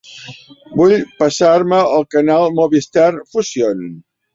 Vull passar-me al canal Movistar Fusión.